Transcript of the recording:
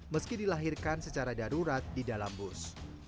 meski dilahirkan secara darurat di dalam bus